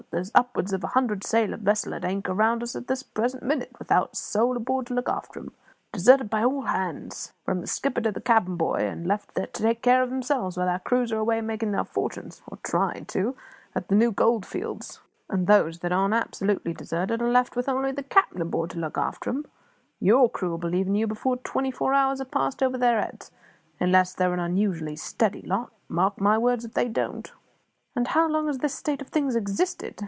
There's upwards of a hundred sail of vessels at anchor round about us at this present minute, without a soul aboard to look after 'em. Deserted by all hands, from the skipper to the cabin boy, and left to take care of themselves while their crews are away making their fortunes or trying to make them at the new gold fields. And those that aren't absolutely deserted are left with only the cap'n aboard to look after 'em. Your crew'll be leaving you before twenty four hours are passed over their heads unless they're an unusually steady lot mark my words if they don't." "And how long has this state of things existed?"